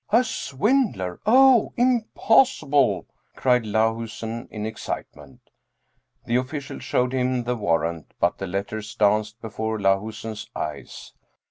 " A swindler ? Oh, impossible !" cried Lahusen in ex citement. The official showed him the warrant, but the letters danced before Lahusen's eyes.